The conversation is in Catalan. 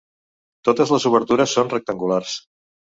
Totes les obertures són rectangulars.